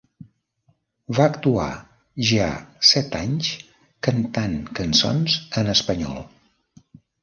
Va actuar ja set anys cantant cançons en espanyol.